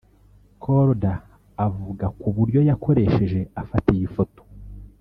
Korda avuga ku buryo yakoresheje afata iyi foto